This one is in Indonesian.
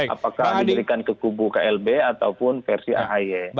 apakah diberikan ke kubu klb ataupun versi ahy